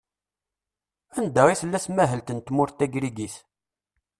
Anda i tella tmahelt n tmurt tagrigit?